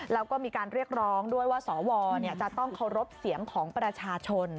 แล้วก็มีการเรียกร้องด้วยว่าสวจะต้องเคารพเสียงของประชาชน